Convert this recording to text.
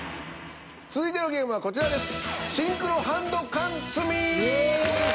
続いてのゲームはこちらです。